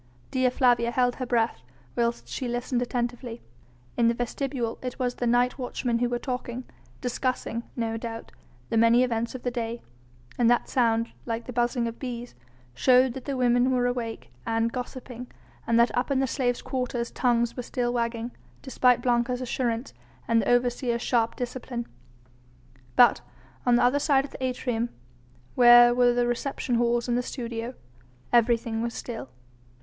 Dea Flavia held her breath whilst she listened attentively. In the vestibule it was the night watchmen who were talking, discussing, no doubt, the many events of the day: and that sound like the buzzing of bees showed that the women were awake and gossiping, and that up in the slaves' quarters tongues were still wagging, despite Blanca's assurance and the overseer's sharp discipline. But on the other side of the atrium, where were the reception halls and the studio, everything was still.